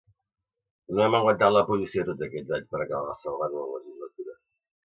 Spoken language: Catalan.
No hem aguantat la posició tots aquests anys per acabar salvant una legislatura